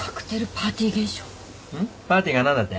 パーティーが何だって？